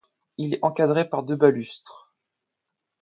Il est encadré par deux balustres.